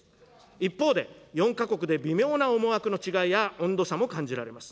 一方で、４か国で微妙な思惑の違いや温度差も感じられます。